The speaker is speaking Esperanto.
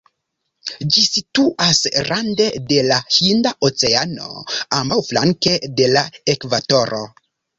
Ĝi situas rande de la Hinda Oceano ambaŭflanke de la ekvatoro.